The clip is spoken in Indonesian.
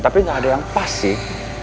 tapi nggak ada yang pas sih